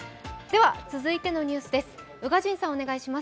では、続いてのニュースです。